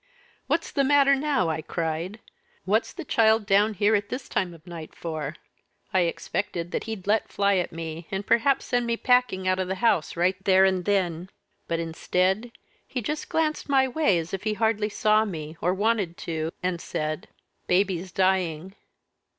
'What's the matter now?' I cried; 'what's the child down here at this time of the night for?' I expected that he'd let fly at me, and perhaps send me packing out of the house right there and then. But, instead, he just glanced my way as if he hardly saw me, or wanted to, and said, 'Baby's dying.'